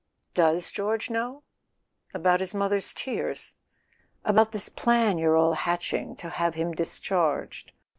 "Does George know?" "About his mother's tears?" "About this plan you're all hatching to have him discharged